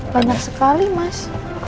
banyak sekali mas